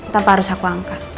tanpa harus aku angkat